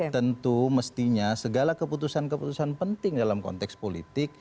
tentu mestinya segala keputusan keputusan penting dalam konteks politik